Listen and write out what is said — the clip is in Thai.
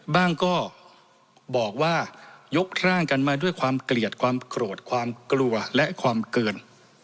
ก็บอกว่ายกร่างกันมาด้วยความเกลียดความโกรธความกลัวและความเกิน